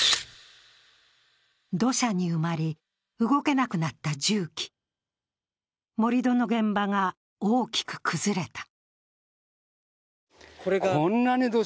土砂に埋まり、動けなくなった重機盛り土の現場が大きく崩れた。